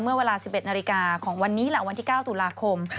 เวลา๑๑นาฬิกาของวันนี้แหละวันที่๙ตุลาคม